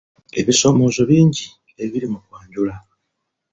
Ebisoomoozo bingi ebiri mu kwanjula.